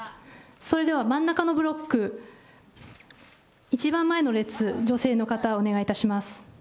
それでは真ん中のブロック、一番前の列、女性の方、お願いいたします。